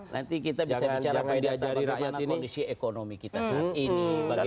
nanti kita bisa bicara pada kondisi ekonomi kita saat ini